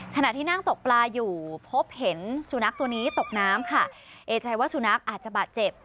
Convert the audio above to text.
ขณะที่นั่งตกปลาอยู่พบเห็นสุนัขตัวนี้ตกน้ำค่ะเอใจว่าสุนัขอาจจะบาดเจ็บ